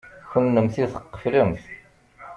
Kennemti tqeflemt.